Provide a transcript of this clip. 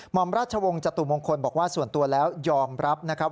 อมราชวงศ์จตุมงคลบอกว่าส่วนตัวแล้วยอมรับนะครับ